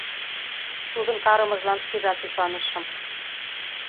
— Тудын карымыжлан шкежат ӱшанышым.